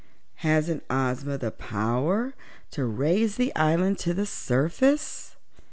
"Hasn't Ozma the power to raise the island to the surface?"